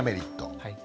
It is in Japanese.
はい。